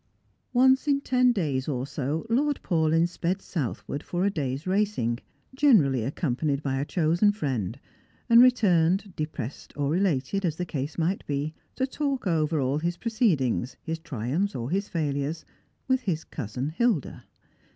Once in ten days or so Lord Paulyn sped southward for a day's racing, generally accompanied by a chosen friend, and re turned, depressed or elated as the case might be, to talk over all liis proceedings — his triumphs or his failures — with his cousin Hilda.